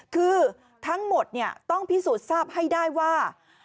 คือทั้งหมดต้องพิสูจน์ทราบให้ได้ว่า